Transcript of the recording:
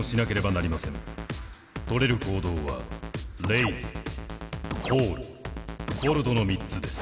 取れる行動はレイズコールフォルドの３つです。